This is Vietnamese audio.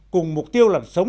cùng mục tiêu làm sống